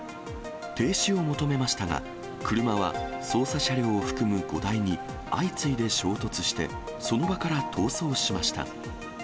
停止を求めましたが、車は捜査車両を含む５台に相次いで衝突して、その場から逃走しました。